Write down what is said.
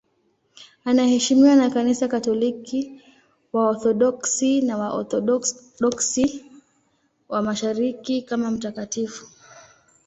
Anaheshimiwa na Kanisa Katoliki, Waorthodoksi na Waorthodoksi wa Mashariki kama mtakatifu.